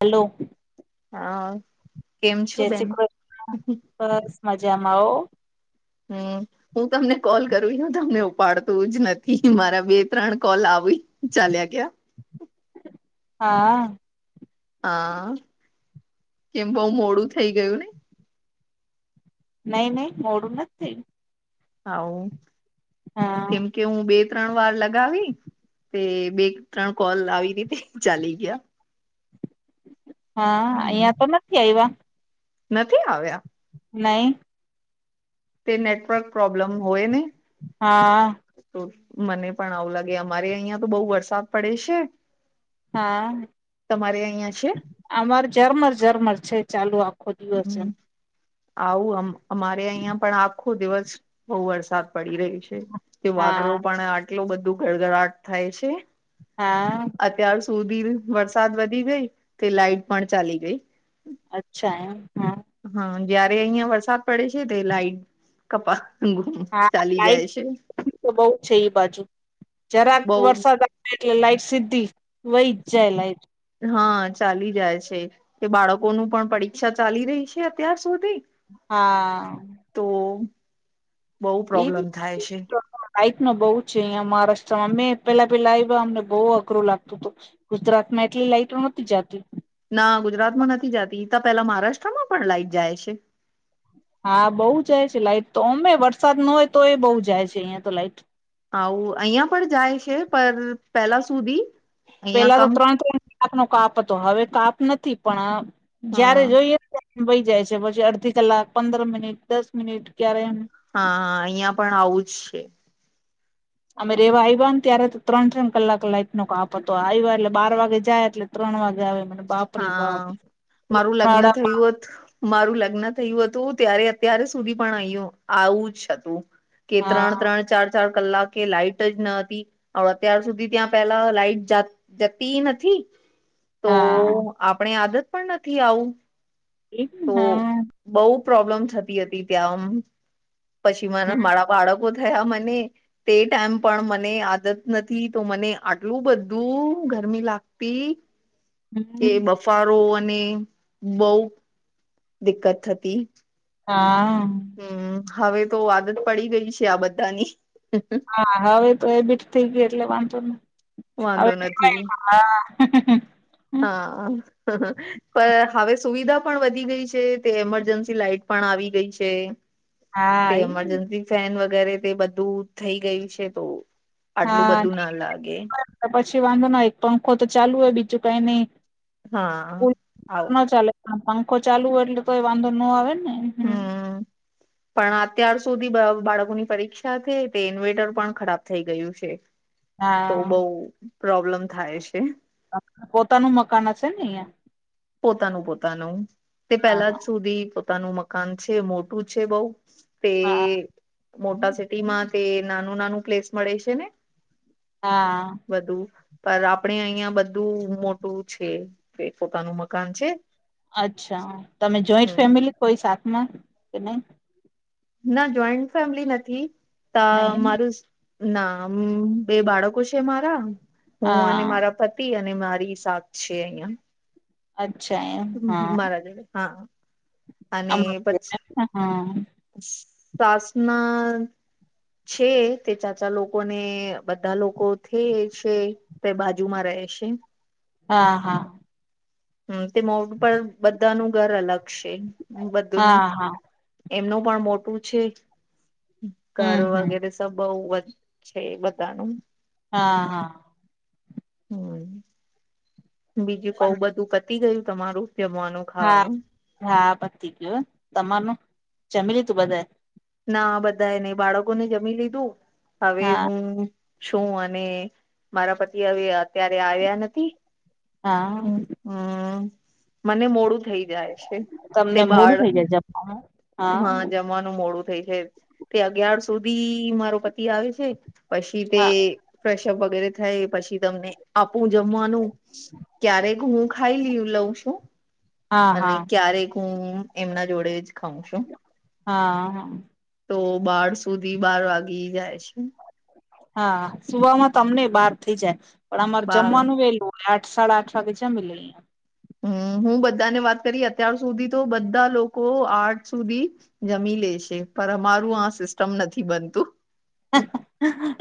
Hello. હા. કેમ જે, છો બેન [unintelligible] બસ મજામાં ઓ. હમ્મ. હું તમને કોલ કરું, હ તમને ઉપાડતું જ નથી, મારા બે ત્રણ કોલ આવી ચાલ્યા ગયા. હા. હા, કેમ બહુ મોડું થઈ ગયું ને. નઈ નઈ મોડું નથી થયું. હવ, થયું. કેમ કે હું બે ત્રણ વાર લગાવી, તે બે ત્રણ કોલ આવી રીતે ચાલી ગયા. હા, અહીંયા તો નથી આવ્યા. નથી આવ્યા. નહી. તે નેટવર્ક પ્રોબ્લમ હોયને. હા. તો મને પણ આવું લાગે અમારે અહિયાં તો બહુ વરસાદ પડે છે. હા, તમારે અહિયાં છે અમાર ઝરમર ઝરમર છે ચાલુ આપ હમ, આવું અમ અમારે અહિયાં પણ આ આખો દિવસ બહુ વરસાદ પડી રહે છે, તે હા વાદળો પણ આ એટલું બધું ગડગડાટ થાય છે. હા. અત્યાર સુધી વરસાદ વધી ગઈ તે લાાઈટ પણ ચાલી ગઈ. અચ્છા એમ, હા. હા, જયારે અહિયાં વરસાદ પડે છે તે લાઇટ કપા હા, ચાલી જાય છે લાઈટ તો બહુ જાય એ બાજુ, જરાક બઉ વરસાદ એટલે લાઈટ સીધી વઈ જાય લાઈટ હા ચાલી જાય છે. કે બાળકોનું પણ પરીક્ષા ચાલી રહી છે અત્યાર સુધી હા. તો બઉ પ્રોબ્લેમ થાય છે. લાઈટ નો બહુ છે અહીંયા મહારાષ્ટ્રમાં અમે પેલા પેલા આયવા અમને બહુ અઘરું લાગતું હતું. ગુજરાત માં એટલી લાઇટો નોતી જાતી. ના ગુજરાતમાં નથી જાતી ત પેલા મહારાષ્ટ્રમાં પણ લાઈટ જાય છે. હા બહુ જાય છે લાઈટ તો ઓમે વરસાદ નો હોય તો એ બહુ જાય છે અહિયાં તો લાઈટ. આવું અહિયાં પણ જાય છે પર પેલા સુધી. અહિયાં પેલા તો કમ ત્રણ ત્રણ કલાક નો કાપ હતો હવે કાપ નથી પણ અ જયારે જોઈએ વહી જાય છે પછી અડધી કલાક પંદર મિનિટ દસ મિનિટ ક્યારે એમ. હા અહિયાં પણ આવું જ છે. અમે રેવા આવ્યા ને ત્યારે તો ત્રણ ત્રણ કલાક લાઈટનો કાપ હતો. આવ્યા એટલે બાર વાગે જાય એટલે ત્રણ વાગે આવે. બાપરે બાપ હા મારું લગ્ન થયું ઉનાળામાં હોત મારું લગ્ન થયું હતું ત્યારે અત્યારે સુધી પણ અઈ આવું જ હતું. કે ત્રણ હા ત્રણ ચાર ચાર કલાકે લાાઈટ જ ન હતી અત્યાર સુધી ત્યાં પેલા લાઈટ જાત જતીય નથી તો હા. આપણે આદત પણ નથી આવું. ઈ તો હા બઉ પ્રોબ્લમ થતી હતી ત્યાં આમ, પછી મારા બાળકો થયા મને તે ટાઈમ પણ મને આદત નતી તો મને આટલું બધું ગરમી લાગતી. કે હમ બફારો અને બહુ દિક્કત થતી. હા. હમ, હવે તો આદત પડી ગઈ છે આ બધાની. હા, હવે તો હેબીટ થઈ ગય એટલે વાંધો, હવે વાંધો તો નથી કઈ ના, હા. હા. હ હ પણ હવે સુવિધા પણ વધી ગઈ છે તે એમરજન્સી લાાઈટ પણ આવી ગઈ છે. હા તે હા એ એમરજન્સી ફેન વગેરે તે બધું થઈ ગયું છે તો આટલું હા બધું ના લાગે. નહીંતર પછી વાંધો ના એક પંખો તો ચાલુ હોય બીજું કઈ નઈ. હા કુ ના આવું ચાલે પણ ચાલે પંખો ચાલુ હોય એટલે તો વાંધો નો આવે ને. હમ હ પણ અત્યાર સુધી બ બાળકોની પરીક્ષા થ તે ઇન્વેર્ટર પણ ખરાબ થઈ ગયું છે. તો હા બઉ પ્રોબ્લમ થાય છે. અ પોતાનું મકાન હશેને અહિયાં? પોતાનું પોતાનું, તે પેલા જ હા સુધી પોતાનું મકાન છે, મોટું છે બઉ તે હા હા મોટા સિટીમાં તે નાનું નાનું પ્લેસ મળે છે ને. હા. બધું, પર આપડે અહિયાં બધું મોટું છે કે પોતાનું મ કાન છે. અચ્છા, તમે જોઈન્ટ હમ ફેમિલી કોઈ સાથમાં કે નહી? ના, જોઈન્ટ ફેમિલી નથી ત નહી મારું ના અમ બે બાળકો છે મારા, હું અને હા મારા પ તિ અને મારી સાક છે અહિયાં. અચ્છા એમ? હા હમ મારા જોડે હા, અને હા પછી સાસના છે, તે ચાચા લોકોને બધા લોકોથે છે. તે બાજુમાં રહે છે. હા હા હમ, તે મોડ પર બધાનું ઘર અલગ છે બધુંનું હા હા એમનું પણ મોટું છે હમ ઘર હમ વગેરે તો બઉ જ છે બધાનું. હા, હા. હમ્મ. બીજું કહું, પણ બધું પતી ગયું તમારું જમવાનું? હા, ખાવાનું હા. પતી ગયુ હો. તમાનું? જમી લીધું બધાએ? ના. બધા એ નહીં, બાળકો ને જમી લીધું. હવે હા હું સુ અને મારા પતિ હવે અત્યારે આવ્યા નથી. હા. હમ્મ. મને મોડું થઈ જાય છે. તે તમને મોડું બાળક, થઈ જાય જમવામાં હા જ મવાનું મોડું થઈ જાય છે. તે અગિયાર સુધી મારો પતિ આવે છે. પછી તે હા ફ્રેશઅપ વગેરે થાય પછી તમને આપું હું જમવાનું. ક્યારેક હું ખાઈ લ્યું લઉં છું. હા અને હા ક્યારેક હું એમના જોડે જ ખાઉં છું. હા, હા. તો બાર સુધી બાર વાગી જાય છે. હા. સુવામાં તો અમનેય બાર થઇ જાય. પણ અમારે બાર જમવાનું વહેલું. આઠ, સાડા આઠ વાગે જમી લઈએ. હમ્મ. હું બધાને વાત કરી અત્યાર સુધી તો બધા લોકો આઠ સુધી જમી લે છે. પણ અમારું આ સિસ્ટમ નથી બનતું.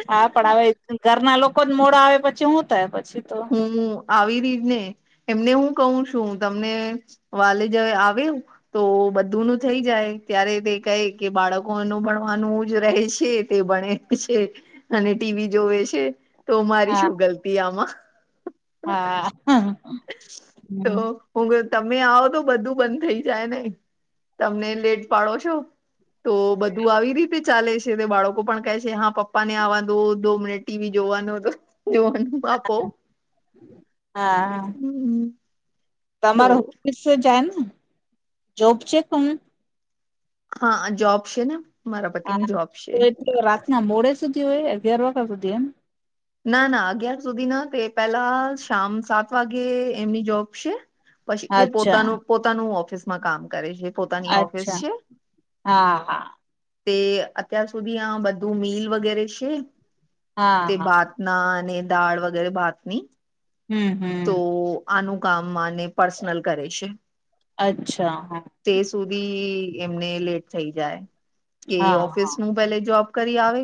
હા. પણ હવે જ ઘરના લોકો જ મોડા આવે પછી હું થાય પછી તો. હું આવી [unintelligible] એમને હું કહું છું તમને વાલે જ આવે તો બધુંનું થઈ જાય. ત્યારે તે કહે, કે બાળકોનું ભણવાનું જ રહે છે તે ભણે છે, અને ટી વી જોવે છે. તો મારી હા શું ગલતી આમાં? હા તો હમ, હું કવ તમે આવો તો બધું બંધ થઈ જાય ને. તમને લેટ પાડો છો. તો બધું આવી રીતે ચાલે છે. તે બાળકો પણ કહે છે, હા પપ્પા ને આવા દો, દો મિનિટ. ટી વી જોવાનો તો જોવાનું આપો. હા, હા. હમ્મ-હમ્મ. તમારે ઓફિસ જાવાનુંન? જોબ છે [unintelligible] હા જોબ સે ને. મારા પતિની હા. જોબ છે તો એટલો રાતના મોડે સુધી હોય, અગિયાર વાગા હુધી એમ. ના, ના. અગિયાર સુધી ના, તે પહેલા શામ સાત વાગે એમની જોબ છે. પછી તે અચ્છા પોતાનું-પોતાનું ઓફિસમાં કામ કરે છે. પોતાની ઓફિસ અચ્છા છે. હા, હા. તે અત્યાર સુધી આ બધું મિલ વગેરે છે, હા તે હા ભાત ના અને દાળ વગેરે ભાતની. હમ્મ. તો આનું કામ આને પર્સનલ કરે છે. અચ્છા હા. તે સુધી એમને લેટ થઈ જાય. કે હા હા ઓફિસનું પહેલે જોબ કરી આવે,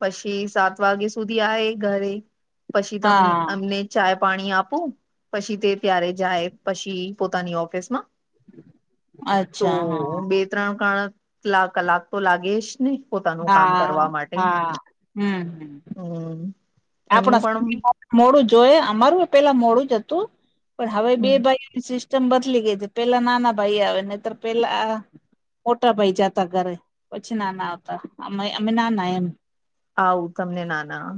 પછી સાત વાગે સુધી આયે ઘરે. પછી તમ હા એમને ચાય પાણી આપું, પછી તે ત્યારે જાય. પછી પોતાની ઓફિસમાં. તો અચ્છા હા હું બે ત્રણ કણ કલા કલાક તો લાગે જ ને. પોતાનું કામ હા કરવા માટે હા અ આપડા [inaudible] મોરુ જોયે અમારુંય પેલા મોડું જ અતુ પણ હવે બે ભાઈઓની સિસ્ટમ બદલી ગઈ તે પેલા નાના ભાઈ આવે નઈતર પેલા મોટા ભાઈ જાતા ઘરે પછી નાના આવતા અમે અમે નાના એમ આવું તમને નાના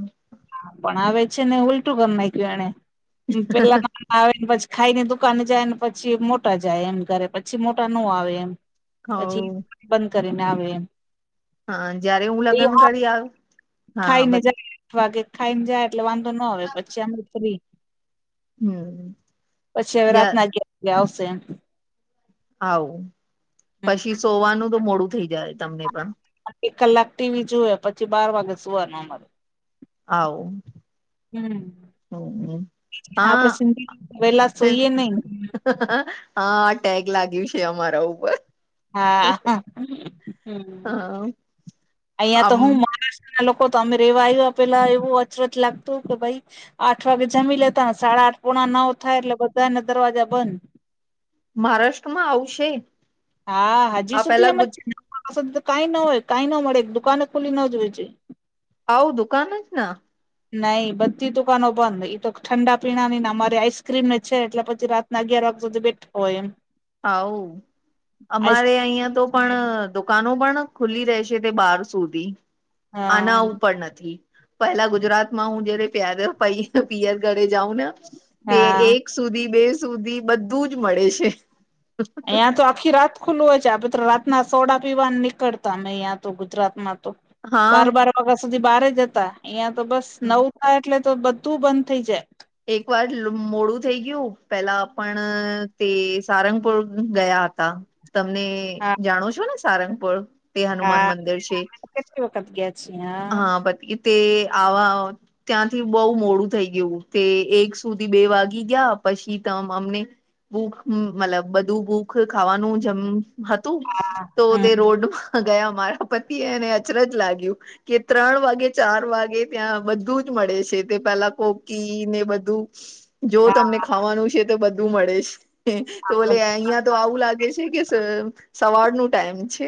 પણ આવે છે ને ઉલટું કરી નાયખુ એણે પેલા આવે ને પછી ખાઈને દુકાને જાય ને પછી મોટા જાય એમ ઘરે પછી મોટા નો આવે એમ હ પછી હા બંધ કરીને આવે એમ હાં જયારે હું એ લગ્ન હા કરી આવી હાં બ ખાઈને જાય આઠ વાગે ખાઈ ને જાય એટલે વાંધો ન આવે પછી અમે ફ્રી હમ પછી અવે રાતના અગિયાર વાગે આવશે આવુ હમ પછી સોવાનું તો મોડું થઈ જાય તમને પણ એક કલાક ટી વી જોવે પછી બાર વાગે સુવાનું અમારે આવુ હં આપડે હા સિંધી વેલા સુઈએ નઇ હં ટેગ લાગ્યું છે અમારા ઉપર હા હં હા અઈયાં તો આમ હું મહારાષ્ટ્રના લોકો તો અમે રેવા આયવા પેલા એવું અચરજ લાગતું કે ભાઈ આઠ વાગે જમી લેતા ને સાડા આઠ પોણા નવ થાય એટલે બધાાના દરવાજા બંધ મહારાષ્ટ્રમાં આવુ સે? હા હજી સુધી એમ જ છે [unintelligible] કાંઈ ના હોય કાંઈ ન મળે દુકાનો ખુલ્લી ન જ હોય છે આવુ દુકાન જ ના નઈ બધી દુકાનો બંધ ઈ તો ઠંડા પીણા ની ને અમારે આઈસક્રીમ ની છે એટલે પછી રા તના અગિયાર વાગ સુધી બેઠા હોય એમ આવુ અમારે આઈસ્ક્રીમ અઈયાં તો પણ દુકાનો પણ ખુલ્લી રહેશે તે બાર સુધી આના હા આવું પણ નથી પહેલા ગુજરાતમાં હું જયારે પ્યાર પિયર ઘરે જાઉં ને તે હા એક સુધી બે સુધી બધું જ મળે છે આંઈયા તો આખી રાત ખુલ્લુ હોય છે આપે તો રાતના સોડા પીવા નીકળતા અમે અઈયા તો ગુજરાતમાં તો હા બાર બાર વાગા સુધી બારે જતા અઈયાં તો બસ નવ થાય એટલે તો બધું બંધ થઇ જાય એક વાર મોડું થઈ ગયું પેલા પણ તે સારંગપુર ગયા હતા તમને હા જાણો છો ને સારંગપૂર બી હનુમાન હા. મંદિર છે કેટલી વખત ગયા છીએ હા પત [unintelligible] તે આવા ત્યાંથી બઉ મોડું થઈ ગયું તે એક સુધી બે વાગી ગ્યા પછી ત અમને બુખ મતલબ બધુ બુખ ખાવાનું જમ હતું તો તે હમ રોડમાં ગયા મારા પતિ એને અચરજ લાગ્યું કે ત્રણ વાગે ચાર વાગે ત્યાં બધું જ મળે છે તે પેલા કોક ફી ને બધું જો તમને હા. ખાવાનું છે તો બધું મળે છે હેં તો બોલે અઈયાં તો આવું લાગે છે કે સ સવારનું ટાઈમ છે.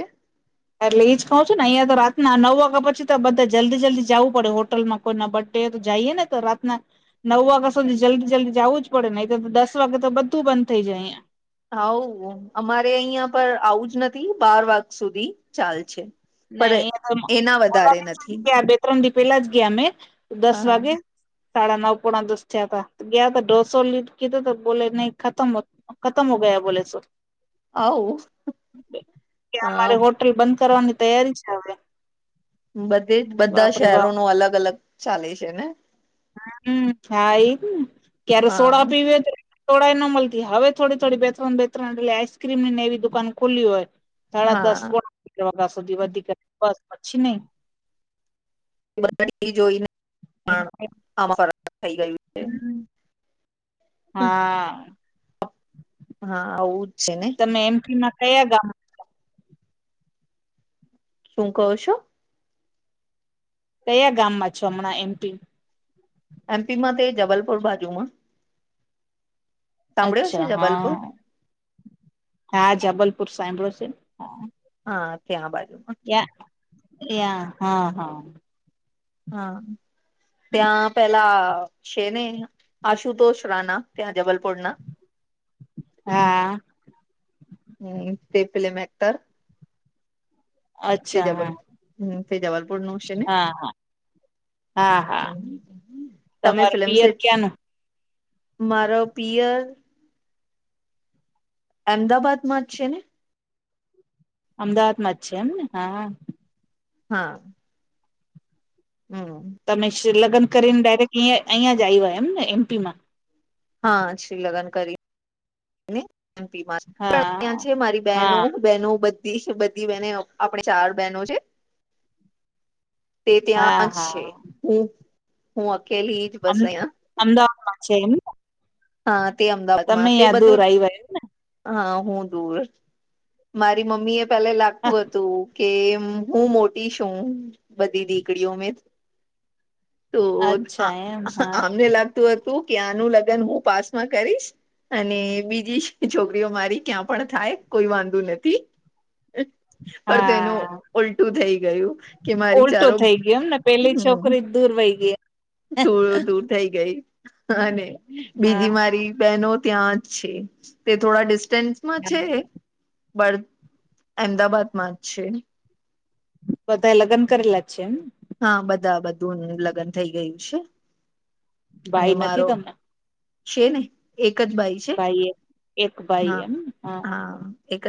એટલે એઈ જ કહઉ છું ને અઈયા તો રાતના નવ વાગ્યા પછી તો બધા જલ્દી જલ્દી જાવું પડે હોટલમાં કોઈ ના બટ ડે તો જાઈએ ને તો રાતના નવ વાગા સુધી જલ્દી જલ્દી જાવું જ પડે નઈ તો તો દસ વાગે તો બધું બંધ થઇ જાય અઈયા. હાઉ અમારે અહિયાં પર આવું જ નથી બાર વાગ સુધી ચાલ છે. પણ નહી અહીંયા એના ઓલા વધારે દિવસે જ નથી ગ્યા બે ત્રણ દિ પેલા જ ગ્યા ને દસ હા વાગે. સાડા નવ પોણા દસ થ્યાતા ગ્યાતો ઢોસો લીધ કીધું તો બોલે નહી ખતમ હોત ખતમ હો ગયા બોલે સો આવું ક્યા હા હમારે હો ત્રે બંધ કરવાની તૈયારી છે હવે. બધે જ બધા બાપરે શહેરો બાપ નો અલગ અલગ ચાલે છે ને? હા હમ હા એ જ ને ક્યારેય હા સોડાઓ પીવે તો સોડાય ન મલતી હવે થોડી થોડી બે ત્રણ બે ત્રણ પેલી આઈસક્રીમની ને એવી દુકાન ખુલ્લી હોય સાડા દસ હા પોણા વાગ્યા સુધી વધી ઘ બસ પછી નઈ. [unintelligible] થઈ ગયું. છે [unintelligible] હા. હા આવું જ છે નહી. તમે એમપીના કયા ગામ શું કહો છો? કયા ગામમાં છો હમણાં એમપી. એમપી માં તે જબલપુર બાજુમાં. સાંભળ્યો છે અચ્છા જબલપુર હા હા જબલપુર સાંભળો છેન હા. હા ત્યા આ બાજુ માં. યા યા હા હા. હા ત્યાં પેલા શેને અહીંયા આશુતોષ રાના ત્યાં જબલપુરના. હા. હમ તે ફિલમ એકટર. તે અચ્છા જબલપુર હા હમ તે જબલપુર નું છે ને. હા હા હા હા હમ તમે તમાર ફિલમ પિયર સેટ ક્યાંનું મારો પિયર એમદાબાદ માં જ છે ને. અમદાવાદમાં જ છે એમને હા હા. હા. હમ. તમે શ્રીલગન કરીન ડાયરેક્ટ ઈયા અહીંયા જ આવ્યા એમ ને એમપીમાં? હા શ્રી લગ્ન કરી [unintelligible] એમપીમાં પણ હા ત્યા છે મારી બહેનો હા બહેનો બધી બધી બહેનેઅ આપણી ચાર બહેનો છે. તે હા ત્યાં જ હા છે હું હું અકેલી જ અમ બસ અય્યા. અમદાવાદમાં છે એમ? હા તે અમદાવાદમાં તે બધું [unintelligible] હા હું દૂર મારી મમ્મી એ પેલે લાગતું હતું કે હું મોટી છું બધી દીકડીઓ મે તો આ અચ્છા એમ હા આમને લાગતું હતું કે આનું લગન હું પાસમાં કરીશ અને બીજી છોકરીઓ મારી ક્યાય પણ થાય કોઈ વાંધું નથી. [unintelligible] પર તેનું હા ઉલટું થઈ ગયું કે મારી ઓલટો ચારો થઈ ગયો એમને પેલી હમ છોકરી દૂર વૈ ગે. થોડ દૂર થઈ ગઈ અને હા બીજી મારી બહેનો ત્યાં છે તે થોડા ડિસ્ટન્સમાં છેને. બળ એ મદાબાદમાં જ છે. બધાએ લગ્ન કરેલા જ છે એમ. હા, બધા જ બધું લગ્ન થઈ ગયું છે અને ભાઈ નથી મારો તમને છેને એક જ બાઈ છે ભાઈ એક ભાઈ હા, એમ હા એક જ